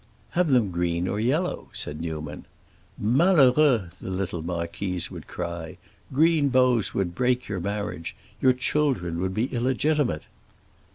"Have them green or yellow," said Newman. "Malheureux!" the little marquise would cry. "Green bows would break your marriage—your children would be illegitimate!"